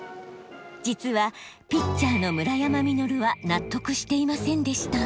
実はピッチャーの村山実は納得していませんでした。